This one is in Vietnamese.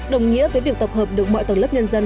đồng nghĩa với việc tập hợp được mọi tầng lớp nhân dân